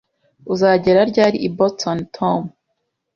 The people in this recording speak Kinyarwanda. Uzagera ryari i Boston, Tom?